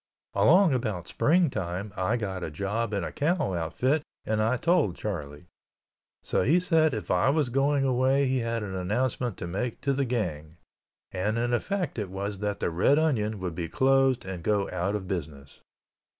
Along about spring time I got a job in a cow outfit and I told Charlie. So he said if I was going away he had an announcement to make to the gang—and in effect it was that the Red Onion would be closed and go out of business.